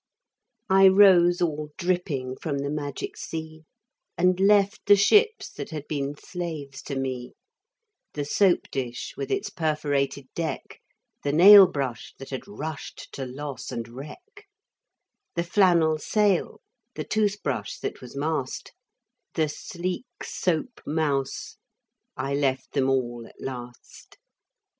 I rose all dripping from the magic sea And left the ships that had been slaves to me The soap dish, with its perforated deck, The nail brush, that had rushed to loss and wreck, The flannel sail, the tooth brush that was mast, The sleek soap mouse I left them all at last.